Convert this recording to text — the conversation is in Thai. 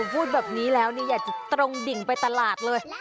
พูดแบบนี้แล้วอยากจะตรงดิ่งไปตลาดเลย